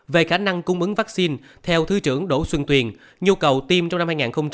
về khả năng cung ứng vaccine theo thứ trưởng đỗ xuân tuyền nhu cầu tiêm trong năm hai nghìn hai mươi